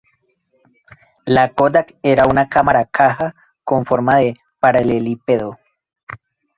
La Kodak era una cámara caja con forma de paralelepípedo.